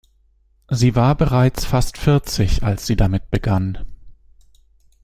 Sie war bereits fast vierzig, als sie damit begann.